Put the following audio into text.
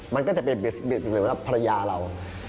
มันก็จะเป็นเหมือนว่าภรรยาเรา